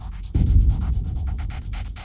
ตอนที่สุดมันกลายเป็นสิ่งที่ไม่มีความคิดว่า